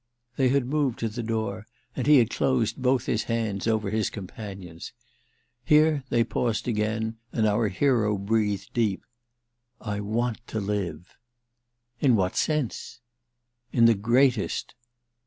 They had moved to the door and he had closed both his hands over his companion's. Here they paused again and our hero breathed deep. "I want to live!" "In what sense?" "In the greatest."